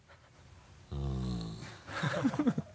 うん。